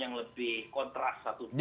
yang lebih kontras satu